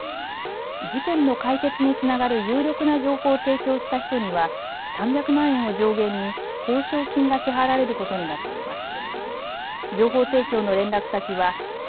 事件の解決につながる有力な情報を提供した人には３００万円を上限に報奨金が支払われることになっています。